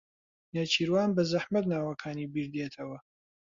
نێچیروان بەزەحمەت ناوەکانی بیردێتەوە.